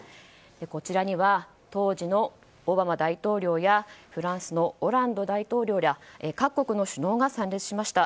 こちらには当時のオバマ大統領やフランスのオランド大統領ら各国の首脳が参列しました。